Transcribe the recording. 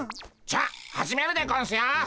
じゃあ始めるでゴンスよ！